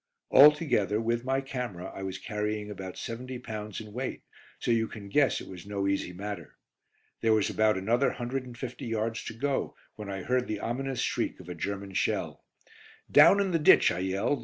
Altogether, with my camera, I was carrying about seventy pounds in weight, so you can guess it was no easy matter. There was about another 150 yards to go, when I heard the ominous shriek of a German shell. "Down in the ditch," I yelled.